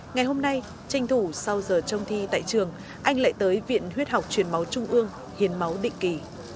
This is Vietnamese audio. ngày hôm nay tranh thủ sau giờ trông thi tại trường anh lại tới viện huyết học truyền máu trung ương hiến máu định kỳ